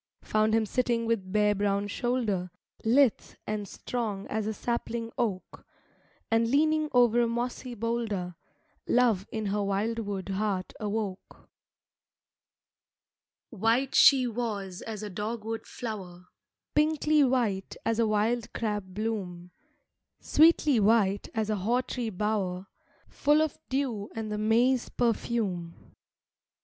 Found him sitting with bare brown shoulder, Lithe and strong as a sapling oak, And leaning over a mossy boulder, Love in her wildwood heart awoke. III White she was as a dogwood flower, Pinkly white as a wild crab bloom, Sweetly white as a hawtree bower Full of dew and the May's perfume.